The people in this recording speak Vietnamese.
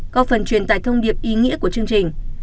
có phần truyền tải thông điệp ý nghĩa của chương trình